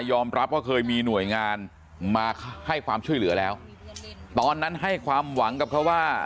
ว่าเคยมีหน่วยงานมาให้ความช่วยเหลือแล้วตอนนั้นให้ความหวังกับเขาว่า